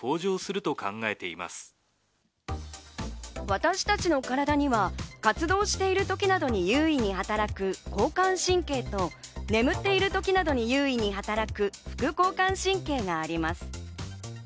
私たちの体には、活動している時などに優位に働く交感神経と、眠っている時などに優位に働く副交感神経があります。